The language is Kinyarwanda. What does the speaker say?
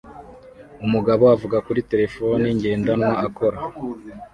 Umugabo avuga kuri terefone ngendanwa akora